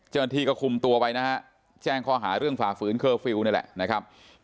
เจนทีก็คุมตัวไปนะแจ้งขอหาเรื่องฝ่าฝืนเคอร์ฟิลนี่แหละ